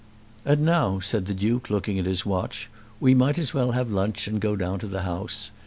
"And now," said the Duke, looking at his watch, "we might as well have lunch and go down to the House.